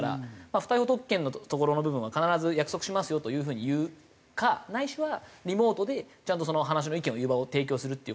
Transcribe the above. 不逮捕特権のところの部分は必ず約束しますよという風に言うかないしはリモートでちゃんと話の意見を言う場を提供するっていう